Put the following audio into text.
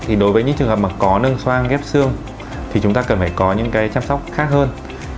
thì đối với những trường hợp mà có nâng soang ghép xương thì chúng ta cần phải có những cái chăm sóc khác hơn